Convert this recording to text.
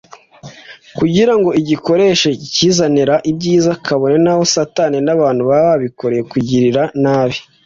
kugira ngo igikoreshe ikizanira ibyiza kabone n’aho Satani n’abantu baba babikoreye kukugirira nabi